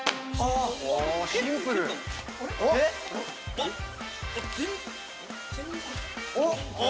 あっ！